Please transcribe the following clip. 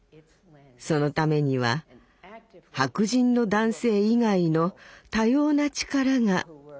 そのためには白人の男性以外の多様な力が必要だったんです。